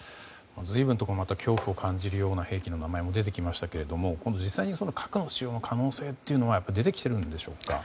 随分と恐怖を感じるような兵器の名前も出てきましたけども実際に核使用の可能性というのは出てきているんでしょうか。